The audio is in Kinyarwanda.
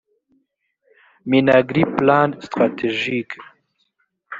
minagri plan strat gique